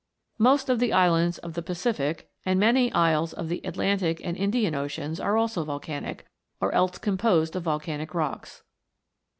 Most of the islands of the Pacific, and many isles of the Atlantic and Indian Oceans, are also volcanic, or else composed of volcanic rocks.